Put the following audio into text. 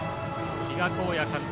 比嘉公也監督